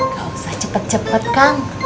gak usah cepet cepet kang